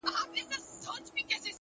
هوډ د ناامیدۍ غږ کمزوری کوي.!